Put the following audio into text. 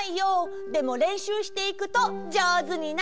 でもれんしゅうしていくとじょうずになるよ！